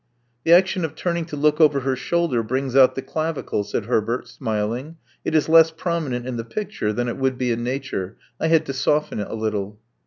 The action of turning to look over her shoulder brings out the clavicle," said Herbert, smiling. It is less prominent in the picture than it would be in nature : I had to soften it a little.